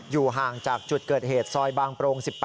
อยู่ห่างจากจุดเกิดเหตุซอยบางโปรง๑๘